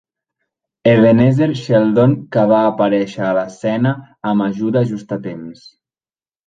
Ebenezer Sheldon, que va aparèixer a l'escena amb ajuda just a temps.